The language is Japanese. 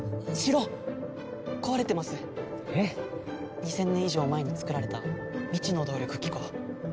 ２０００年以上前に作られた未知の動力機構。